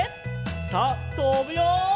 さあとぶよ！